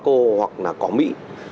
cô hoặc là có mỹ